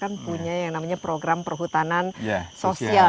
kan punya yang namanya program perhutanan sosial